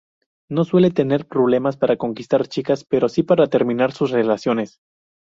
No suele tener problemas para conquistar chicas pero sí para terminar sus relaciones.